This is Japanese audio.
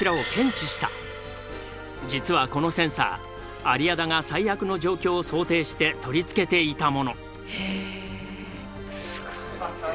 実はこのセンサー有屋田が最悪の状況を想定して取り付けていたもの。